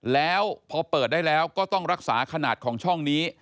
แล้วพอเปิดได้แล้วก็ต้องรักษาขนาดของช่องนี้